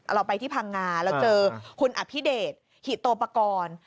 เราไปที่พังงาเราเจอคุณอภิเดชหิโตปกรณ์